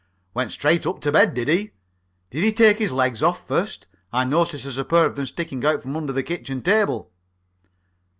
"Went straight up to bed, did he? Did he take his legs off first? I notice there's a pair of them sticking out from under the kitchen table."